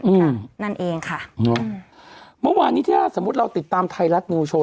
ค่ะนั่นเองค่ะเนอะเมื่อวานนี้ถ้าสมมุติเราติดตามไทยรัฐนิวโชว